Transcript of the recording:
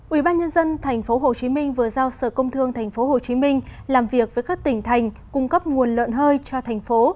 ubnd tp hcm vừa giao sở công thương tp hcm làm việc với các tỉnh thành cung cấp nguồn lợn hơi cho thành phố